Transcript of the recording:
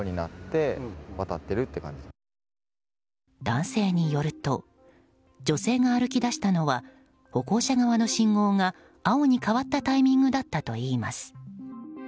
男性によると女性が歩き出したのは歩行者側の信号が青に変わったタイミングだったといいます。